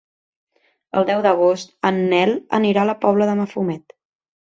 El deu d'agost en Nel anirà a la Pobla de Mafumet.